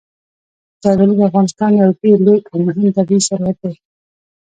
زردالو د افغانستان یو ډېر لوی او مهم طبعي ثروت دی.